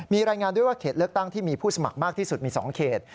มีรายงานด้วยว่าเขตเลือกตั้งที่มีผู้สมัครมากที่สุดมี๒เขต